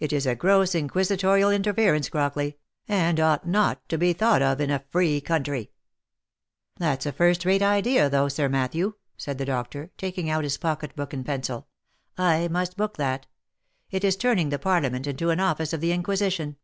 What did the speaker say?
It is a gross inquisitorial interference, Crockley, and ought not to be thought of in a free country." * That's a first rate idea though, Sir Matthew," said the doctor, taking out his pocket book and pencil. " I must book that. It is turning the parliament into an office of the inquisition.